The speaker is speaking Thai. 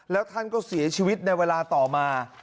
แล้วท่านก็เสียชีวิตในเวลาต่อมา